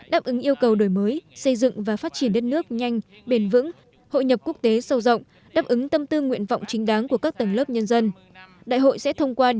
đáp ứng yêu cầu đổi mới xây dựng và phát triển đất nước nhanh bền vững hội nhập quốc tế sâu rộng đáp ứng tâm tư nguyện vọng chính đáng của các tầng lớp nhân dân